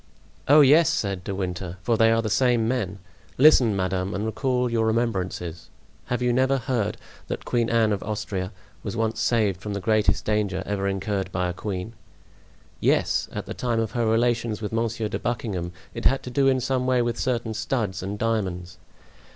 "Oh, yes," said De Winter, "for they are the same men. Listen, madame, and recall your remembrances. Have you never heard that Queen Anne of Austria was once saved from the greatest danger ever incurred by a queen?" "Yes, at the time of her relations with Monsieur de Buckingham; it had to do in some way with certain studs and diamonds."